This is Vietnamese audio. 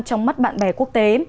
trong mắt bạn bè quốc tế